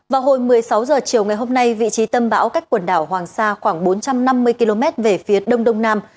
vào hồi một mươi sáu h chiều ngày hôm nay vị trí tâm bão cách quần đảo hoàng sa khoảng bốn trăm năm mươi km về phía đông đông nam